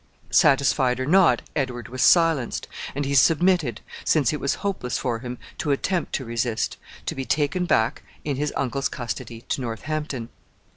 Satisfied or not, Edward was silenced; and he submitted, since it was hopeless for him to attempt to resist, to be taken back in his uncle's custody to Northampton.